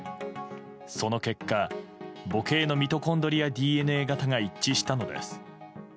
その結果、母系のミトコンドリアＤＮＡ型が一致したのです。